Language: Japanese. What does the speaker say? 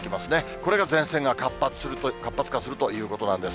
これが前線が活発化するということなんです。